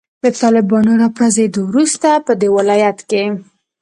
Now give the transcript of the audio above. د طالبانو د راپرزیدو وروسته پدې ولایت کې